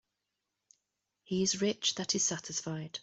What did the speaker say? He is rich that is satisfied.